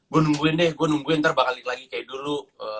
gue nungguin deh gue nungguin ntar bakal lagi kayak dulu